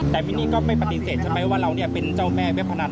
แต่มินนี่ก็ไม่ปฏิเสธใช่ไหมว่าเราเป็นเจ้าแม่เว็บพนัน